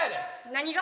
何が？